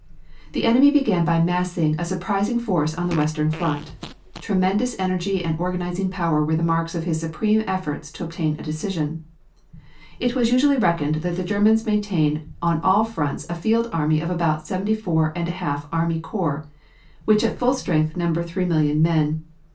"The enemy began by massing a surprising force on the western front. Tremendous energy and organizing power were the marks of his supreme efforts to obtain a decision. It was usually reckoned that the Germans maintain on all fronts a field army of about seventy four and a half army corps, which at full strength number three million men.